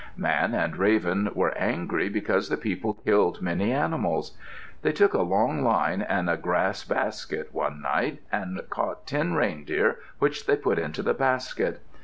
Man and Raven were angry because the people killed many animals. They took a long line and a grass basket, one night, and caught ten reindeer which they put into the basket.